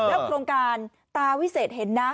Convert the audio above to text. โครงการตาวิเศษเห็นนะ